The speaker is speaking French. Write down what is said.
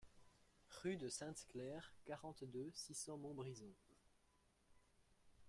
Rue de Sainte-Claire, quarante-deux, six cents Montbrison